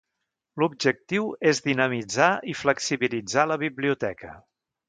L'objectiu és dinamitzar i flexibilitzar la biblioteca.